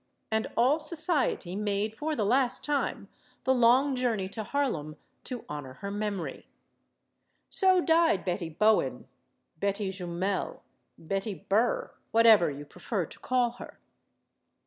And all society made, for the last time, the long journey to Harlem to honor her memory. So died Betty Bowen Betty Jumel Betty Burr whatever you prefer to call her.